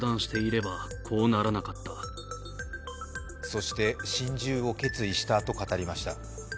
そして心中を決意したと語りました。